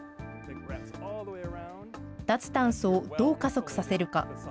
脱炭素をどう加速させるか。